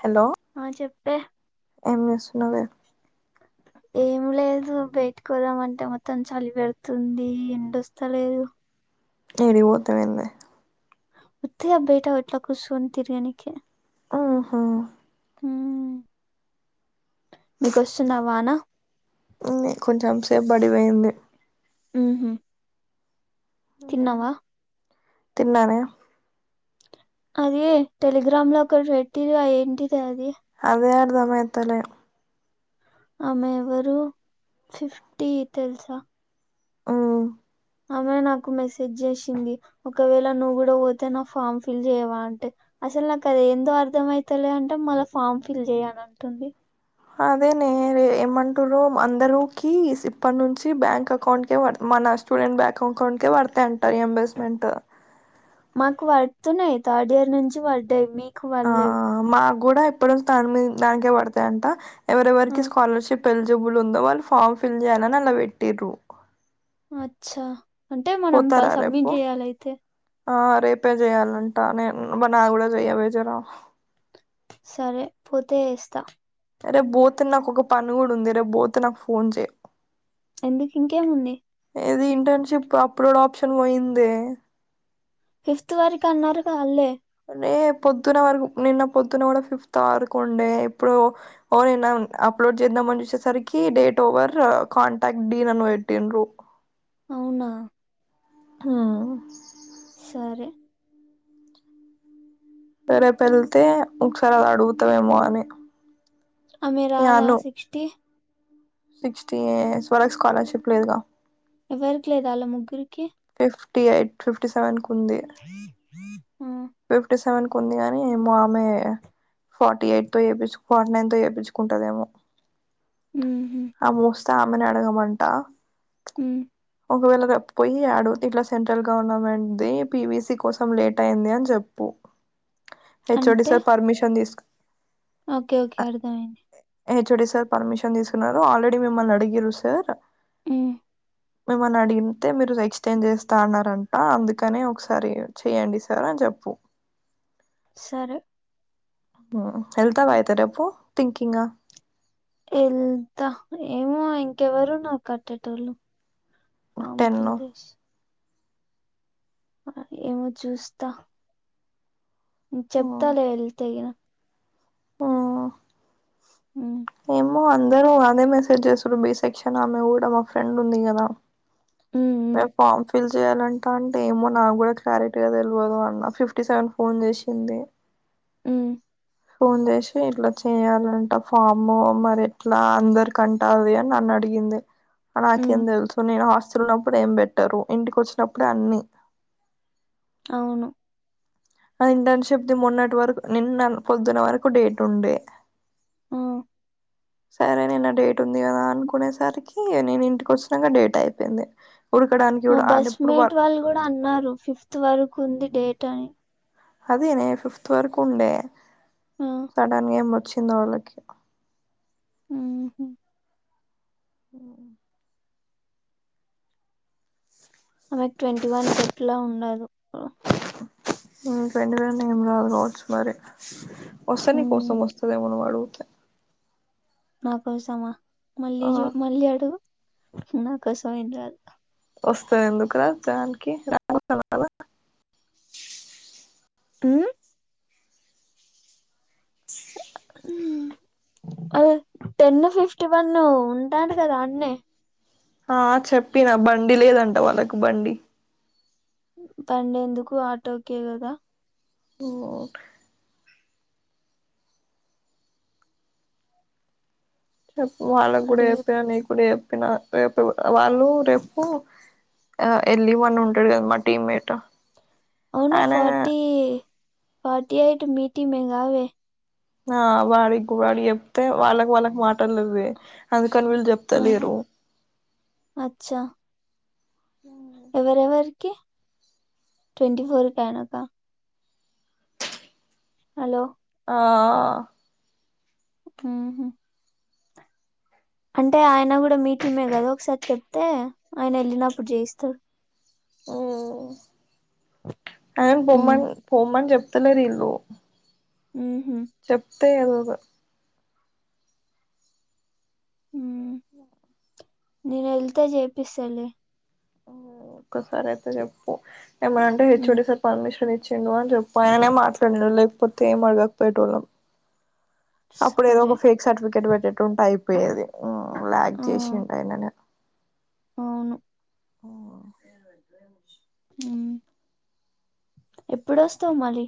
Hello ఆ చెప్పే ఏం చేస్తున్నావే ఏం లేదు బయటకోదామంటే మొత్తం చలి పెడుతుంది ఎండ వస్తలేదు ఎడికి పోతవ్ ఎందె ఉత్తి ఆ బయట ఉత్తకూర్చొని తిరగనికే ఓహో మ్ మీకొస్తుంద వాన ఉంది కొంచెం సేపు బడిపోయింది మ్ హు తిన్నావా తిన్నానే అది టెలిగ్రామ్లో ఒకరు పెట్టిరు అ ఏంటిద అది అదే అర్థమయితలేదు ఆమె ఎవరు ఫిఫ్టీ తెలుసా మ్ ఆమె నాకు మెసేజ్ చేసింది ఒకవేళ నువ్వు కూడా పోతే నా ఫామ్ ఫిల్ చెయవా అంటే అసలు నాకు అది ఎందో అర్థం అయితలే అంటే మళ్ళ ఫార్మ్ ఫిల్ చెయాలి అంటుంది అదేనే ఏమంటురు అందరూకి ఇప్పట్నుంచి బ్యాంక్ అకౌంట్కే మన స్టూడెంట్ బ్యాక్ ఎంకౌట్కే పడతాయంట రిఅంబర్స్మెంట్ మాకు పడుతున్నాయ్ థర్డ్ ఇయర్ నుంచి పడ్డాయి మీ ఆ మాకు కూడా ఎప్పుడు తన్మీ దానికే పడతాయంట ఆ! ఎవరెవరికి స్కాలర్షిప్ ఎలిజిబుల్ ఉందో వాళ్ళు ఫామ్ ఫిల్ చేయాలని అలా పెట్టిరు అచ్చా అంటే మనం ప పోతారా రేపు సబ్మిట్ జేయాలయితే. ఆ రేపే జేయ్యాలంట నేను నా కూడా జేయ్యవేజన సరే పోతే ఎస్తా రేపు బోతే నాకు ఒక పని కూడా ఉంది రేపు బోతే నాకు ఫోన్ చెయ్ ఎందుకు ఇంకేంముంది ఏది ఇంటర్న్షిప్ అప్లోడ్ ఆప్షన్ పోయిందే ఫిఫ్త్ వరకు అన్నారుగ ఆల్లే రే పొద్దున్న వరకు నిన్న పొద్దున్న కూడా ఫిఫ్త్ వరకు ఉండే ఇప్పుడు ఓ నేనా అప్లోడ్ చేద్దామ అని వచ్చేసరికి డేట్ ఒవర్ కాంటాక్ట్ డీన్ అని పెట్టిన్రు అవునా ఆ సరే రేపు ఎళ్తే ఒకసారి అది అడుగుతావేమో అని అమె ఇగ రాద అను సిక్స్టీ సిక్స్టీ స్వరస్ స్కాలర్షిప్ లేదుగా ఎవ్వరికి లేద ఆళ్ళ ముగ్గురికి ఫిఫ్టీ ఎయిట్ ఫిఫ్టీ సెవెన్ కు ఉంది. రీ ఫిఫ్టీ సెవెన్ కు ఉంది గానిమో ఆమె. ఫార్టీ ఎయిట్ త ఏపించు ఫతో ఏపించుకుంటుదేమ ఉ. ఆ మూస్తే ఆమెను అడగమంట. హ. ఒకవేళ రప్పపోయి ఆడు ఇట్లా సెంట్రల్ గవర్నమెంట్ది పివసి కోసం లేట్ అయింది అని చెప్పు. హెచ్ఓడి అంటే సర్ పర్మిషన్ తీస్క్. ఓకే ఓకే అర్థమైన్ హెచ్డి సార్ పర్మిషన్ తీసుకున్నారు ఆల్రెడీ మిమ్మల్ని అడిగిరు సార్. హు. మిమ్మల్ని అడిగితే మీరు ఎక్స్చేంజ్ చేస్తా అన్నారంట అందుకనే ఒకసారి చెయంండి సార్ అని చెప్పు. సరే. ఎల్దాగ్ అయితే రేపు థింకిింగ్గా. ఎంత ఏమో ఇంకెవరు నా కట్టేటోళ్ళు. ఫామ్ టెన్ ఫీల్ చేస్. ఏమో చూస్తా. చెప్తాల్ వెళ్ తెగిన. ఆ. ఆ. ఏమో అందరూ అదే మెసేజ్ చేస్తురు బి సెక్షన్ ఆమె కూడా మా ఫ్రెండ్ ఉంది కదా. హ్మ్. హ్మ్. మేం ఫార్ ఫిల్. చేయాలంటా అంటే ఏమో నాకు కూడా క్లారిటీగా తెలియదు అన్న ఫిఫ్టీ సెవెన్ ఫోన్ చేసింది. హ్మ్. ఫోన్ చేసి ఇట్లా చేయ్యాలంట ఫాము మరి ఎట్లా అందరికట్. అదే నన్నడిగింది. నాకేం హ్మ్. తెలుసు నేను హాస్టల్ ఉన్నప్పుడు ఏం పెట్టరు ఇంటికి వచ్చినప్పుడే అన్ని. అవును ఇంటర్న్షిప్ది మొన్నటి వరకు నిన్న పొద్దున వరకు డేట్ ఉండే. ఆ. సరే నన్న డేట్ ఉంది కదా అనుకునేసరికి నేను ఇంటికి వచ్చినాక డేట్ అయిపోయింది. ఉడకడానికి మా కూడా అంట బస్ ఎప్పుడు. మేట్ వాళ్ళు కూడా అన్నారు ఫిఫ్త్ వరకు ఉంది డేట్ అని. అదే న ఫిఫ్త్ వరకు ఉండే ఆ సడన్ గ ఏం వచ్చింది వాళ్ళకి. ఉహు. ఉ ఆమె ట్వంటీ వన్ కెట్లా ఉండదు. మీ ఫ్రెండ్ పేరు న ఏం రాదు రావచ్చు మరి [unintelligible] వసని మ్మ్. కోసం వస్తాదేమో ను అడిగితే. నా కోసమా మళ్ళీ ఆ జు మళ్ళీ అడుగు నా కోసం ఏం రాదు. వస్తయి ఎందుకు రా దానికి రా. ఉ. అ టెన్ ఫిఫ్టీ వన్ ఉంటాను కదా అన్నే. ఆ చెప్పిన బండి లేదంట వాళ్ళకు బండి. డేందుకు ఆటోకే కెళ్లిన. ఓకే రేపు వాళ్ళకి కూడా అడుగు చెప్పిన నీ కూడా చెప్పిన రేపు వాళ్ళు రేపు ఆ ఎల్వన్ ఉంటడు కదా మా టీమ్మేట్ అవును ఆయన ఫోర్టీ ఫోర్టీ యయిట్ మిటి మంగవే ఆ వాడికి వాడి చెప్తే వాళ్ళకి వాళ్ళకి మాటలేద అందుకని వీళ్ళు చెప్తలేరు అచ్చ ఎవరెవరికి ట్వంటీ ఫోర్ కయనక హలో ఆ ఉహు అంటే ఆయన కూడా మీటిమే కదా ఒకసారి చెప్తే ఆయన వెళ్ళినప్పుడు చేయిస్తరు ఉమ్ ఆయను ఉమ్ పొమ్మన్ పొమ్మని చెప్తలేరు ఇల్లు ఉహు చెప్తే విందు నేనీళ్తే చేపిస్తలి ఒక్కసారి అయితే చెప్పు ఏమనంటే ఉమ్ హెచ్ఒడి సార్ పర్మిషన్ ఇచ్చిందిడు అని చెప్పు ఆయనే మాట్లాడలే లేకపోతే ఏం అడగకపోయేటవాళ్ళం అప్పుడు ఏదో సరే ఒక ఫేక్ సర్టిఫికేట్ పెట్టేట్టు ఉంట అయిపోయేది లాయా ఆ చేసి ఉంటయినని అవును ఉమ్ ఉమ్ ఎప్పుడోస్తవు మళీ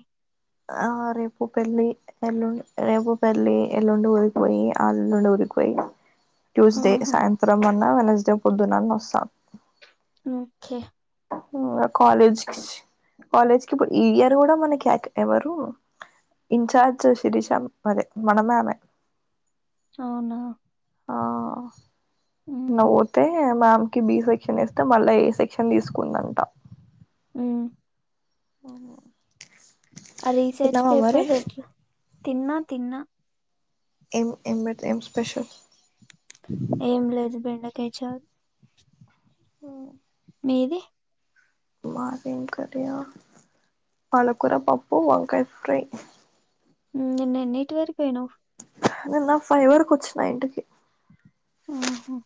ఆ రేపు పెళ్లి ఎల్లుండి రేపు పెళ్లి ఎల్లుండు ఊరికిపోయి ఆ ఎల్లుండు ఊరికిపోయి ట్యూస్డే ఆహా సాయంత్రం అన్నా వెనస్డే పొద్దునన్న వస్త ఉకే ఉమ్ కాలేజ్ కాలేజ్కి ఇప్పుడు ఈ ఇయర్ కూడా మనకి ఎవరు ఇన్చార్జ్ శిరీష అదే మనమే ఆమె అవునా ఆ ఉహు న్వుతే మమ్ కి బి సెక్షన్ ఇస్తే మళ్ళా ఏ సెక్షన్ తీసుకుందంట ఉమ్ ఓహో ఆ రీసెర్చ్ పేపర్ అట్ల తిన్నా తిన్నా ఏం ఏమైతే ఏం స్పెషల్ ఏం లేదు బెండకాయ చార్ ఉమ్ మీది మధేం కర్రి ఆ పాలకుర పాప్పు వంకాయ ఫ్రై ఉమ్ నీన్న ఎన్నిటి వరిక్పోయినవు నిన్న ఫైవర్కోచిన ఇంటికి ఆహ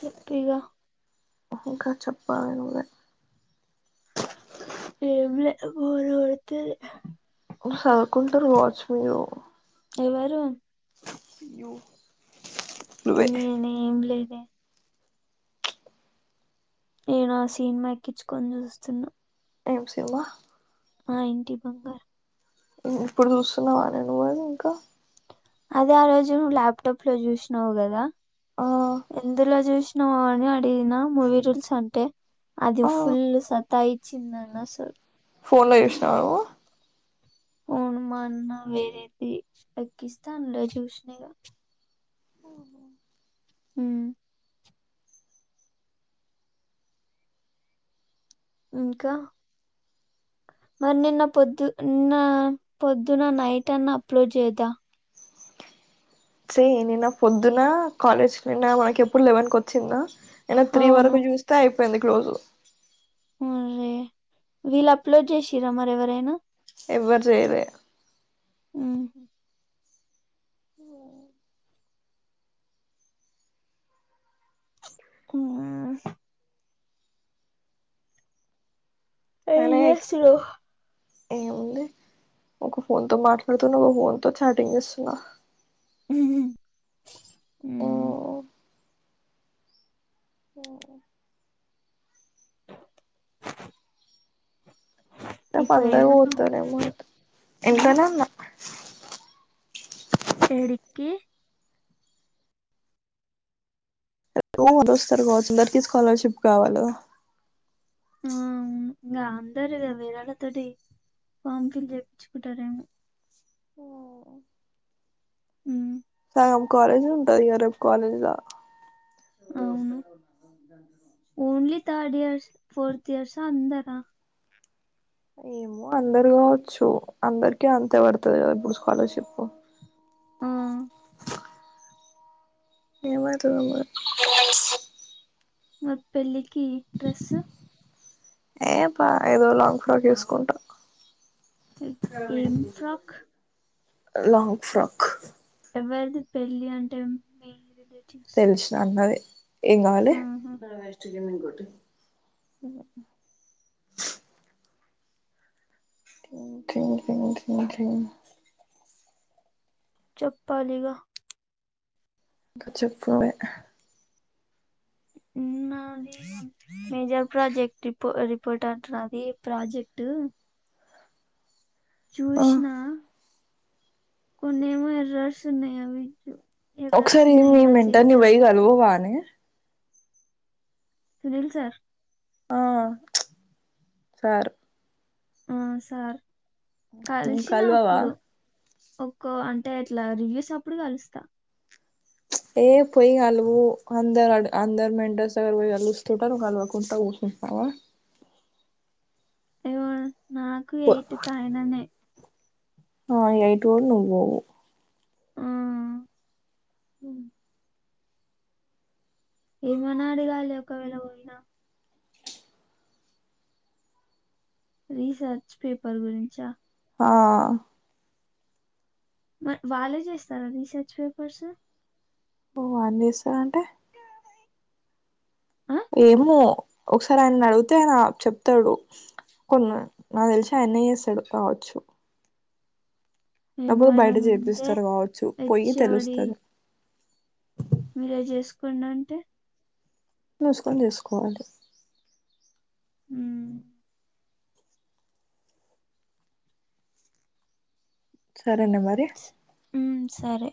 చెప్పగ ఇంకా చెపాలి నువ్వే ఏలే బోర్ కొడతది నువ్వు చదువుకుంటారు వాచ్ మీరు [unintelligible] ఎవరు నువ్వే నేనే ఏం లేదే నేనో సినిమా వేక్కిచుకొని చూస్తున్నా ఏం సినిమా మా ఇంటి బంగారం ఇప్పుడు చూస్తున్నావా ఆది నువ్వు ఇంకా అదే ఆ రోజు నువ్వు ల్యాప్టాప్ లో చూసినావు కదా ఆ ఎందులో చూసిన నువ్వు అని అడిగిన మూవీ రూల్స్ అంటే అది ఆ ఫుల్ సతాయి ఇచ్చిందండి అసలు ఫోన్లో చూసిన నువ్వు అవును మా అన్న వేరేది ఎక్కిస్తే అందులో చూసినగా ఓహో ఉం ఇంకా మరి నిన్న పొద్దు నిన్న పొద్దున్న నైట్ అన్న అప్లోడ్ చేద్దా సే నిన్న పొద్దున కాలేజ్ నిన్న మనకి ఎప్పుడు లెవన్కి వచ్చిందా ఇయ్యాల త్రీ అవును వరకు చూస్తే అయిపోయింది క్లోజ్ అర్రే వీళ్ళు అప్లోడ్ చేసిరా మరి ఎవరైనా ఎవరు చేయలే ఉం ఇంకా ఏం పనే చేస్తున్నావు ఏముంది ఒక ఫోన్ తో మాట్లాడుతున్నా ఒక ఫోన్ తో చాటింగ్ చేస్తున్నా హు హామ్ ఉం ఇప్పుడు పంద ఏడును పోతనే మాట ఆ, ఎంటనే అన్నా [unintelligible] ఎడికి ఎ మరు వస్తారు కావచ్చుందరికిీ స్కాలర్షిప్ కావాలి [unintelligible] ఆవును ఇంకా అందరు వేరాళ్ళతోటి ఫామ్ ఫిల్ చెయిచుకుంటారేమో ఉం సగం కాలేజ్ ఉంటది ఇగ రేపు కాలేజ్ లా అవును only third years fourth years అందరా ఏమో అందరూ కావచ్చు అందరికీ అంతే పడతాది కదా ఇప్పుడు స్కాలర్షిప్ ఆ ఏ మామ్ [unintelligible] మరి పెళ్ళికి డ్రెస్ ఏ పా ఏదో లాంగ్ ఫ్రాక్ వేసుకుంటా ఏం ఫ్రాక్ లాంగ్ ఫ్రక్ ఎవరిది పెళ్ళి అంటే మీ రిలేటివ్స్ తెలిసిన అన్నది ఏం కావాలి ఆహా టె [unintelligible] చెప్పాలిగా చెప్పువే ఉన్నది మేజర్ ప్రాజెక్ట్ రిపో రిపోర్ట్ అంటున్న అది ప్రాజెక్ట్ ఆ చూసిన కొన్నేమో ఎర్రర్స్ ఉన్నాయ్ అవి ఎర్రర్స్ ఒకసారి మీ ఉన్నాయిగా మెంటర్ చేద్దాం పోయి గలువు వానే సునీల్ సార్ ఆ సరే ఆ సార్ కలిసిన కలువవా అప్పుడు ఒక్కో అంటే అట్లా రివ్యూస్ అప్పుడు కలుస్తా ఏ పోయి కలువు అందరు అందరు మెంట్రస్ దగ్గరపోయి కలుస్తుంటారు నువ్వు కలవకుంటా కూర్చుంటున్నావా అవో నాకు పో ఎయిట్ కాయననే ఆ ఎయిట్ పోవ్ నువ్వు పోవు ఆ, ఉ ఏమని అడగాలి ఒకవేళ పోయినా రీసెర్చ్ పేపర్ గురించా ఆ మరి వాళ్ళే చేస్తారా రీసెర్చ్ పేపర్స్ వాళ్ళే ఇస్తారు అంటే ఏమో ఒకసారి ఆయనను అడిగితే ఆయన చెప్తాడు కొన్ని నాకు తెలిసి అయిననే చేస్తాడు కావచ్చు ఏమో లేకపోతే ఆయన బయట ముందే చేపిస్తారు కావచ్చు పోయి హెచ్ఓడి తెలుస్తది మీరే చేసుకోండి అంటే మూసుకొని చేసుకోవాలి హు సరేనే మరి ఉమ్ సరే